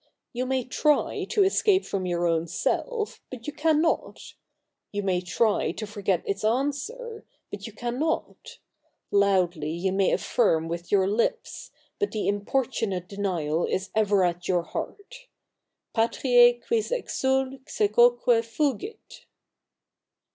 You may try to escape from your own Self, but you cannot ; you may try to forget its answer, but you cannot. Loudly you may affirm with your lips ; but the importunate denial is ever at your heart. Patrice, qiiis exsul se quoque fugit